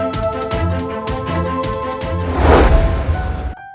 kau merasa terlalu sanggup